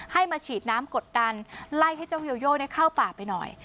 ให้มาฉีดน้ำกดดันไล่ให้เจ้าโยโยเข้าป่าไปหน่อย